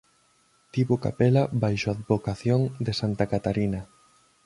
Tivo capela baixo advocación de Santa Catarina.